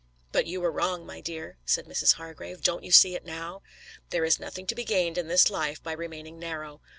"But you were wrong, my dear," said Mrs. Hargrave. "Don't you see it now? There is nothing to be gained in this life by remaining narrow.